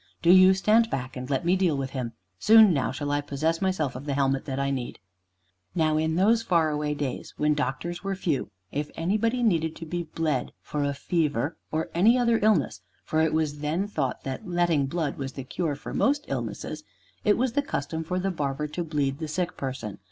Do you stand back, and let me deal with him. Soon now shall I possess myself of the helmet that I need." Now, in those far away days, when doctors were few, if anybody needed to be bled for a fever or any other illness (for it was then thought that "letting blood" was the cure for most illnesses), it was the custom for the barber to bleed the sick person.